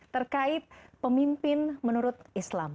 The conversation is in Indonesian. terkait pemimpin menurut islam